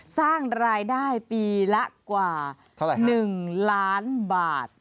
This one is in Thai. สร้างรายได้ปีละกว่า๑ล้านบาท